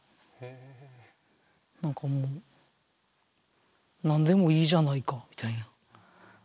何かもう何でもいいじゃないかみたいな。